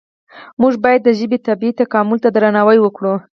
موږ باید د ژبې طبیعي تکامل ته درناوی وکړو.